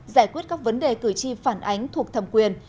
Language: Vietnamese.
giải quyết các vấn đề cử tri phản ánh thuộc thẩm quyền